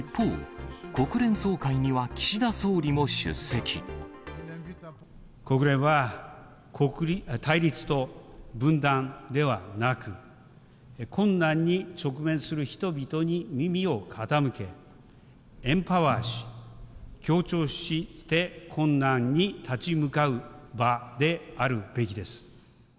一方、国連は、対立と分断ではなく、困難に直面する人々に耳を傾け、エンパワーし、協調して、困難に立ち向かう場であるべきです。